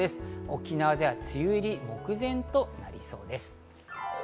沖縄では梅雨入り目前となりそうです。